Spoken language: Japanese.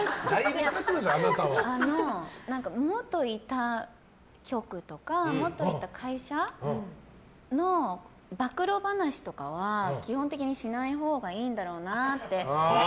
元いた局とか元いた会社の暴露話とかは基本的にしないほうがいいんだろうなって。